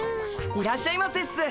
いらっしゃいませっす。